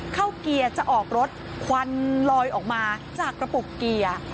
เกียร์จะออกรถควันลอยออกมาจากกระปุกเกียร์